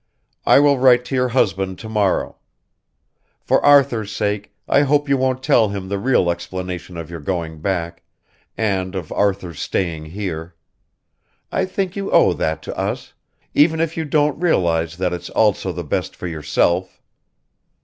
I will write to your husband to morrow. For Arthur's sake I hope you won't tell him the real explanation of your going back, and of Arthur's staying here. I think you owe that to us ... even if you don't realise that it's also the best for yourself."